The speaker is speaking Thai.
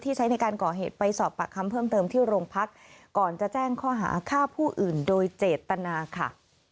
ใช้ในการก่อเหตุไปสอบปากคำเพิ่มเติมที่โรงพักก่อนจะแจ้งข้อหาฆ่าผู้อื่นโดยเจตนาค่ะ